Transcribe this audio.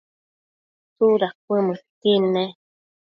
tsuda cuëmëdqui nec?